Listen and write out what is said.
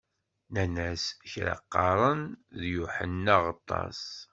Nnan-as: Kra qqaren: d Yuḥenna Aɣeṭṭaṣ.